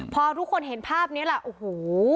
พอทุกคนเห็นภาพนี้แหละโอ้โห